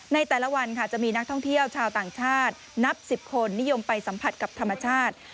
ในแต่ละวันค่ะจะมีนักท่องเที่ยวชาวต่างชาตินับ๑๐คนนิยมไปสัมผัสกับธรรมชาติ